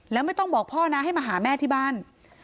แล้วไม่ต้องบอกพ่อนะให้มาหาแม่ที่บ้าน